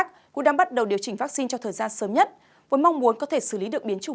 các hành khách đã được bắt đầu điều chỉnh vaccine cho thời gian sớm nhất với mong muốn có thể xử lý được biến chủng